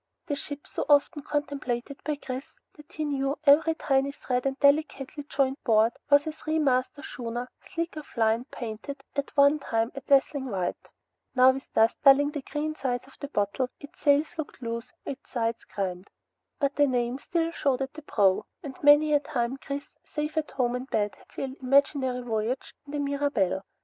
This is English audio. The ship, so often contemplated by Chris that he knew every tiny thread and delicately jointed board, was a three masted schooner, sleek of line, painted at one time a dazzling white. Now with dust dulling the green sides of the bottle, its sails looked loose, its sides grimed. But the name still showed at the prow, and many a time Chris, safe at home in bed, had sailed imaginary voyages in the Mirabelle.